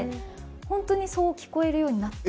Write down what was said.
本当にそう聴こえるようになってる。